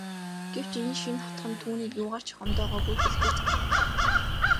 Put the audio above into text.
Гэвч энэ шинэ хотхон түүнийг юугаар ч гомдоогоогүйг хэлбэл зохино.